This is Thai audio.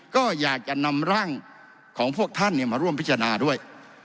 ก็อยากจะนำร่างของพวกท่านมาร่วมพิจารณาด้วย